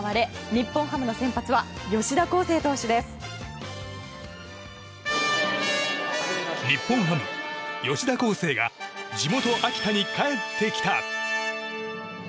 日本ハム、吉田輝星が地元・秋田に帰ってきた。